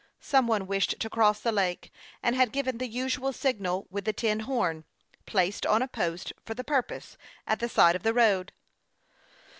Some one wished to cross the lake, and had given the usual signal with the tin horn, placed on a post for the purpose, at the side of the road.